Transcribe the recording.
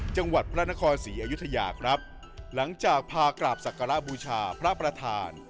จังหวัดพระนครศรีอยุธยาครับหลังจากพากราบศักระบูชาพระประธาน